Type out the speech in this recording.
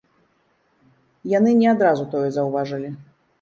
Яны не адразу тое заўважылі.